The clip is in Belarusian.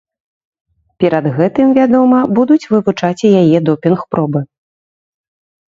Перад гэтым, вядома, будуць вывучаць і яе допінг-пробы.